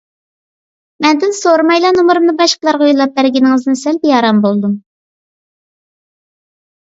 مەندىن سورىمايلا نومۇرۇمنى باشقىلارغا يوللاپ بەرگىنىڭىزدىن سەل بىئارام بولدۇم.